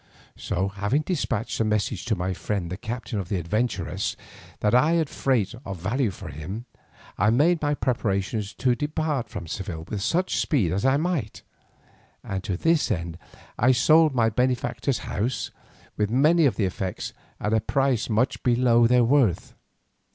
So having despatched a message to my friend the captain of the "Adventuress," that I had freight of value for him, I made my preparations to depart from Seville with such speed as I might, and to this end I sold my benefactor's house, with many of the effects, at a price much below their worth.